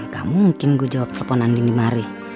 gak mungkin gue jawab telfon andi dimari